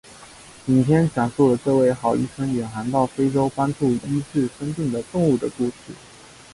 影片讲述了这位好医生远航到非洲帮助医治生病的动物的故事。